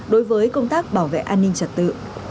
đối với công tác bảo vệ an ninh trật tự